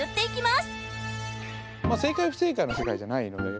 まあ正解不正解の世界じゃないので。